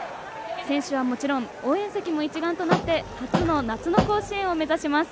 選手はもちろん応援席も一丸となって初の夏の甲子園を目指します。